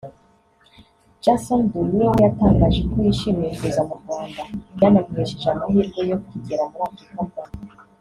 Jason Derulo we yatangaje ko yishimiye kuza mu Rwanda byanamuhesheje amahirwe yo kugera muri Afurika bwa mbere